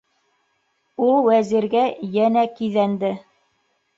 - Ул Вәзиргә йәнә киҙәнде.